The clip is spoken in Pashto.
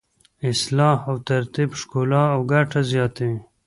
اصلاح او ترتیب ښکلا او ګټه زیاتوي.